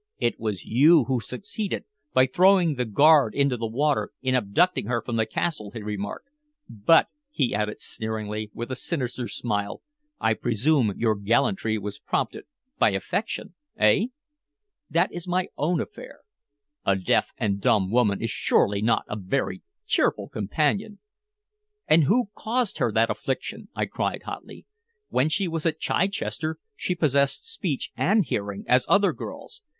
"It was you who succeeded, by throwing the guard into the water, in abducting her from the castle," he remarked. "But," he added sneeringly, with a sinister smile, "I presume your gallantry was prompted by affection eh?" "That is my own affair." "A deaf and dumb woman is surely not a very cheerful companion!" "And who caused her that affliction?" I cried hotly. "When she was at Chichester she possessed speech and hearing as other girls.